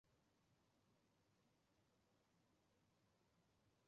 马来西亚卫生部长是马来西亚主管卫生事务的联邦政府部门的部长。